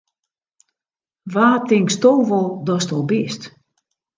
Wa tinksto wol datsto bist!